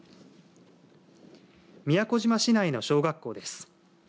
宮古島市内の小学校です。